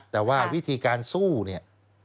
แต่ว่าวิธีการสู้เนี่ย